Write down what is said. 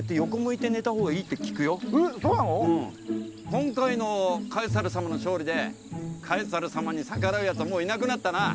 今回のカエサル様の勝利でカエサル様に逆らうやつはもういなくなったな。